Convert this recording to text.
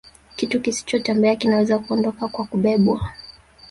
Kitu kisichotembea kinaweza kuondoka kwa kubebwa